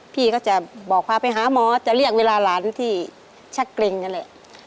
พี่ก็จะบอกพาไปหาหมอจะเรียกเวลาหลานที่ชักเกร็งนั่นแหละ